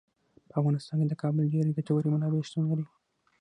په افغانستان کې د کابل ډیرې ګټورې منابع شتون لري.